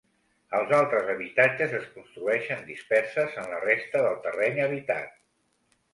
Els altres habitatges es construeixen disperses en la resta del terreny habitat.